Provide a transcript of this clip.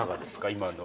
今の。